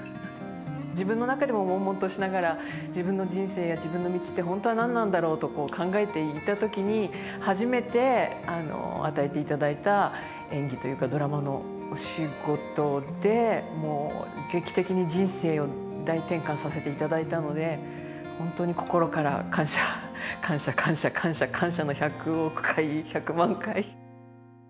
自分の中でももんもんとしながら自分の人生や自分の道って本当は何なんだろうと考えていた時に初めて与えていただいた演技というかドラマのお仕事でもう劇的に人生を大転換させていただいたので本当に心から感謝感謝感謝感謝感謝の１００億回１００万回。